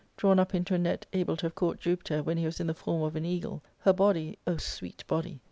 drawn up into a net able to have caught Jupiter when he was in the form of an eagle, her body (O sweet body